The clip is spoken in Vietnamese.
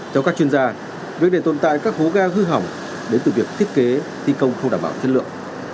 theo các chuyên gia việc để tồn tại các hố ga hư hỏng đến từ việc thiết kế thi công không đảm bảo chất lượng